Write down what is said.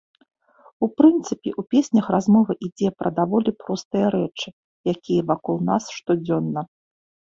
У прынцыпе ў песнях размова ідзе пра даволі простыя рэчы, якія вакол нас штодзённа.